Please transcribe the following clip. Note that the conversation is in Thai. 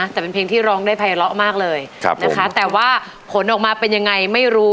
แต่เป็นเพลงที่ร้องได้ภัยเลาะมากเลยนะคะแต่ว่าผลออกมาเป็นยังไงไม่รู้